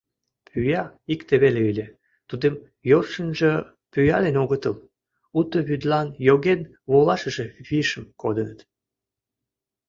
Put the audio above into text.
Пӱя икте веле ыле, тудым йӧршынжӧ пӱялен огытыл, уто вӱдлан йоген волашыже вишым коденыт.